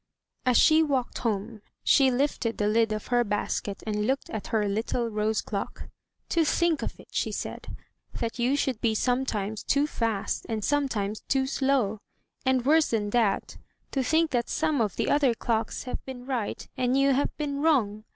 As she walked home, she lifted the lid of her basket and looked at her little rose clock. "To think of it!" she said. "That you should be sometimes too fast and sometimes too slow! And, worse than that, to think that some of the other clocks have been right and you have been wrong!